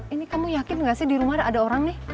ini kamu yakin gak sih di rumah ada orang nih